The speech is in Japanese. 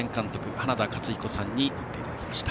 花田勝彦さんに乗っていただきました。